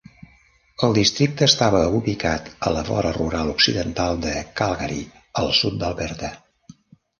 El districte estava ubicat a la vora rural occidental de Calgary, al sud d'Alberta.